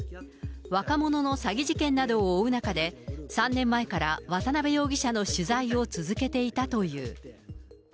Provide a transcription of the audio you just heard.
若者の詐欺事件を追う中で、３年前から渡辺容疑者の取材を続けていたという。